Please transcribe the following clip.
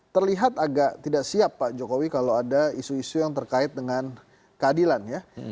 terlihat agak tidak siap pak jokowi kalau ada isu isu yang terkait dengan keadilan ya